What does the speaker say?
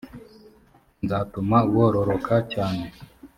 nzatuma wororoka cyane